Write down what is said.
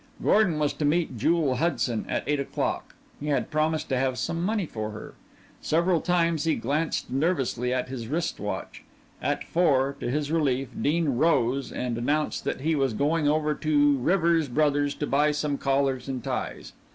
Gordon was to meet Jewel Hudson at eight o'clock he had promised to have some money for her. Several times he glanced nervously at his wrist watch. At four, to his relief, Dean rose and announced that he was going over to Rivers Brothers to buy some collars and ties.